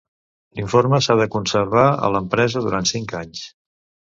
L'informe s'ha de conservar a l'empresa durant cinc anys.